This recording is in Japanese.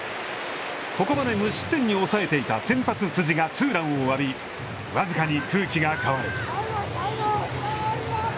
ここまで無失点に抑えていた先発の辻がツーランを浴び僅かに空気が変わる。